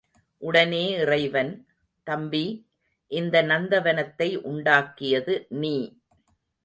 உடனே இறைவன், தம்பி, இந்த நந்தவனத்தை உண்டாக்கியது நீ.